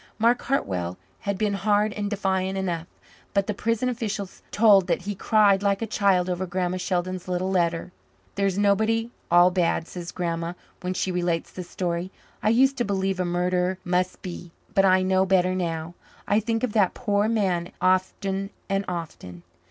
Mark Hartwell had been hard and defiant enough, but the prison officials told that he cried like a child over Grandma Sheldon's little letter. "There's nobody all bad," says Grandma when she relates the story. "I used to believe a murderer must be, but I know better now. I think of that poor man often and often.